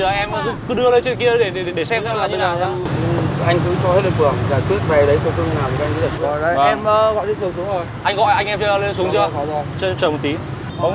đây cô chú em